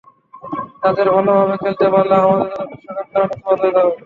তাদের ভালোভাবে খেলতে পারলে আমাদের জন্য বিশ্বকাপে খেলাটাও সহজ হয়ে যাবে।